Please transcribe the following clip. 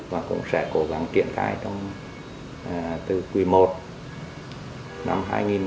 và cũng sẽ cố gắng kiện khai từ quỳ một năm hai nghìn hai mươi